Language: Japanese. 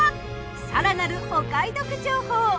更なるお買い得情報。